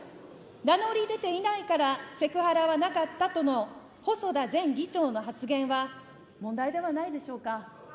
名乗り出ていないからセクハラはなかったとの細田前議長の発言は、問題ではないでしょうか。